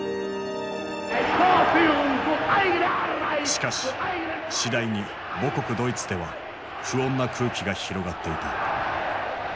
しかし次第に母国ドイツでは不穏な空気が広がっていた。